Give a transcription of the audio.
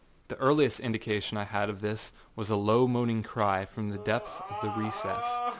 The earliest indication I had of this was a low moaning cry from the depth of the recess.